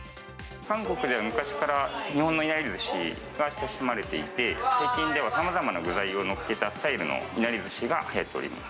韓国では昔から、日本のいなりずしが親しまれていて、最近では、さまざまな具材をのっけたスタイルのいなりずしがはやっておりま